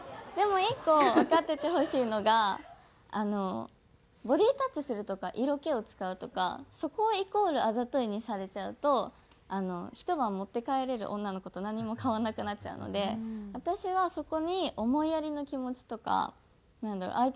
でも１個わかっててほしいのがあのボディータッチするとか色気を使うとかそこをイコールあざといにされちゃうとひと晩持って帰れる女の子と何も変わらなくなっちゃうので私はそこに思いやりの気持ちとかなんだろう